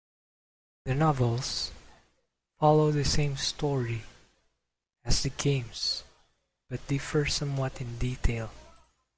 The novels follow the same story as the games but differ somewhat in detail.